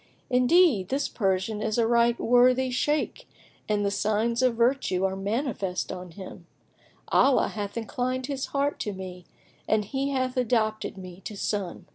Indeed, this Persian is a right worthy Shaykh and the signs of virtue are manifest on him; Allah hath inclined his heart to me and he hath adopted me to son."